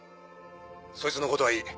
そいつのことはいい。